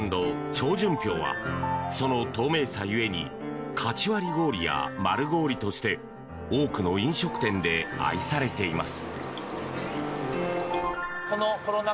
超純氷は、その透明さゆえにかち割り氷や丸氷として多くの飲食店で愛されています。